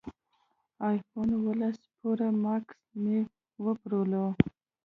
ایفون اوولس پرو ماکس مې وپېرلو